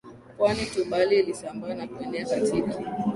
Pwani tu bali ilisambaa na kuenea katika